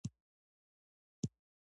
د صرافیو مارکیټ څنګه کنټرولیږي؟